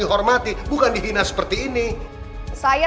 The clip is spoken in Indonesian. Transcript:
ini rumah ini rumah ini rumah saya